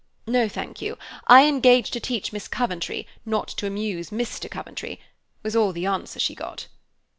"'No, thank you. I engaged to teach Miss Coventry, not to amuse Mr. Coventry' was all the answer she got.